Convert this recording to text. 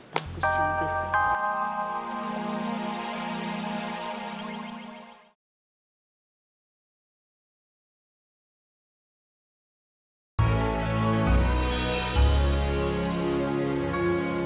bagus juga sekali